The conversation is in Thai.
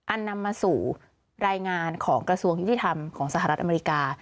นำมาสู่รายงานของกระทรวงยุติธรรมของสหรัฐอเมริกา